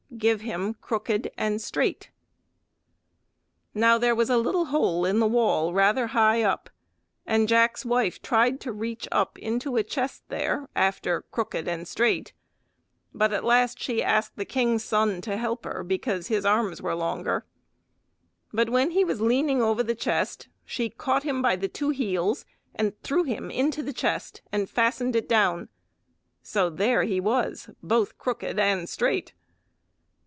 "Give him Crooked and Straight!" Now there was a little hole in the wall rather high up, and Jack's wife tried to reach up into a chest there after "crooked and straight," but at last she asked the king's son to help her, because his arms were longest. But when he was leaning over the chest she caught him by the two heels, and threw him into the chest, and fastened it down. So there he was, both "crooked and straight!"